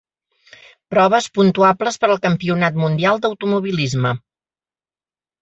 Proves puntuables per al campionat mundial d'automobilisme.